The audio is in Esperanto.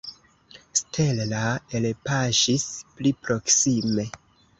Stella elpaŝis pli proksime.